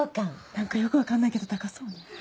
何かよく分かんないけど高そうね。